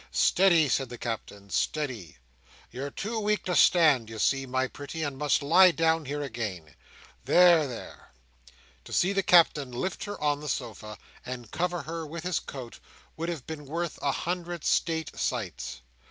"Steady!" said the Captain. "Steady! You're too weak to stand, you see, my pretty, and must lie down here again. There, there!" To see the Captain lift her on the sofa, and cover her with his coat, would have been worth a hundred state sights.